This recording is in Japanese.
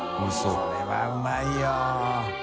これはうまいよ。